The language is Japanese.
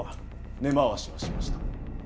根回しをしました。